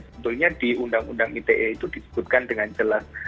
sebetulnya di undang undang ite itu disebutkan dengan jelas